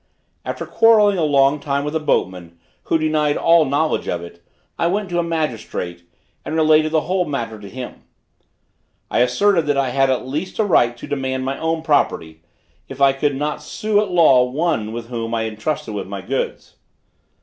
After quarrelling a long time with the boatman, who denied all knowledge of it, I went to a magistrate, and related the whole matter to him. I asserted that I had at least a right to demand my own property, if I could not sue at law one with whom I had entrusted my goods.